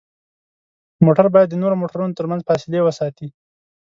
موټر باید د نورو موټرونو ترمنځ فاصلې وساتي.